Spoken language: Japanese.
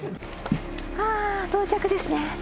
あ到着ですね。